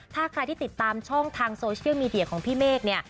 ถ้าใครที่ติดตามช่องทางโซเชียลมีเดียของพี่เมฆเนี่ย